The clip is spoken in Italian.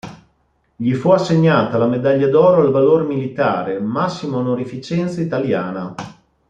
Gli fu assegnata la Medaglia d'oro al valor militare, massima onorificenza italiana.